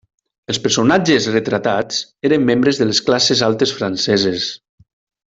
Els personatges retratats eren membres de les classes altes franceses.